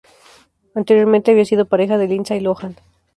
Anteriormente había sido pareja de Lindsay Lohan.